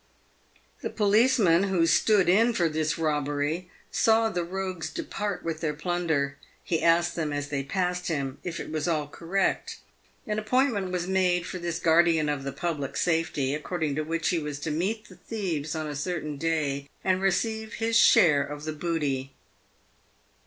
The policeman who " stood in" for this robbery saw the rogues depart with their plunder. He asked them, as they passed him, "if it was all correct?" An appointment was made with this guardian of the public safety, according to which he was to meet the thieves on a certain day, and receive his share of the booty.